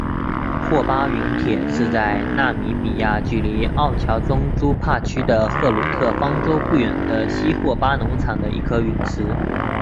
霍巴陨铁是在纳米比亚距离奥乔宗朱帕区的赫鲁特方丹不远的西霍巴农场的一颗陨石。